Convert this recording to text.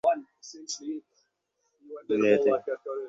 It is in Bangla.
তিনি তিব্বতের ইতিহাস, সংস্কৃতি ও ধর্ম নিয়ে একাধিক বই রচনা করেন।